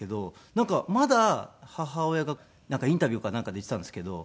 なんかまだ母親がインタビューかなんかで言っていたんですけど。